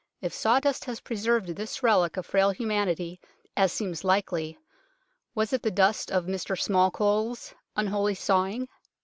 If sawdust has preserved this relic of frail humanity, as seems likely, was it the dust of "Mr Smallcole's " unholy sawing